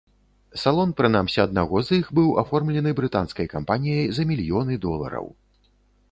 Салон прынамсі аднаго з іх быў аформлены брытанскай кампаніяй за мільёны долараў.